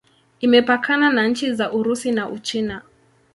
Imepakana na nchi za Urusi na Uchina.